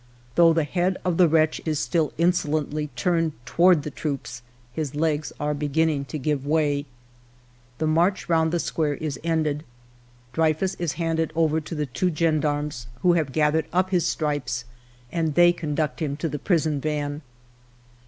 Though the head of the wretch is still insolently turned toward the troops, his legs are beginning to give way. ALFRED DREYFUS 71 "The march round the square is ended. Dreyfus is handed over to the two gendarmes, who have gathered up his stripes, and they conduct him to the prison van.